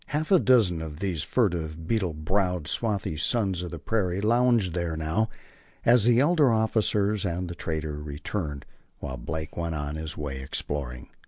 Half a dozen of these furtive, beetle browed, swarthy sons of the prairie lounged there now, as the elder officers and the trader returned, while Blake went on his way, exploring.